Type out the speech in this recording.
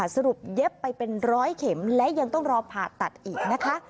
เย็บไปเป็นร้อยเข็มและยังต้องรอผ่าตัดอีกนะคะ